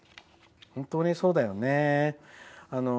本当にそうだよね。